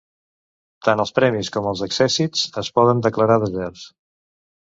Tant els premis com els accèssits es poden declarar deserts.